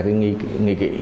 cái nghi kỳ